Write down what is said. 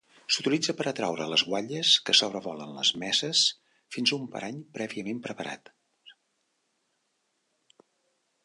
S'utilitza per atreure les guatlles que sobrevolen les messes fins a un parany prèviament preparat.